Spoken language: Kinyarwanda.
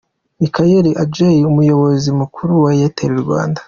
Michael Adjei umuyobozi mukuru wa Airtel Rwanda.